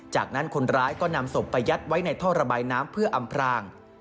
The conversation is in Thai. จากนั้นคนร้ายก็นำศพไปยัดไว้ในท่อระบายน้ำเพื่ออำพราง